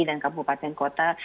dan kabupaten kota